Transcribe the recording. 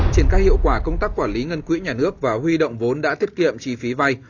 trên các hiệu quả công tắc quản lý ngân quỹ nhà nước và huy động vốn đã thiết kiệm chi phí vay